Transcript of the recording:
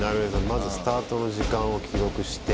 まずスタートの時間を記録して映して。